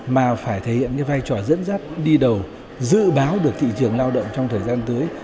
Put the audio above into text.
mà phải thể hiện cái vai trò dẫn dắt đi đầu dự báo được thị trường lao động trong thời gian tới